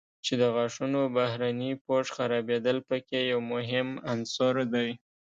چې د غاښونو بهرني پوښ خرابېدل په کې یو مهم عنصر دی.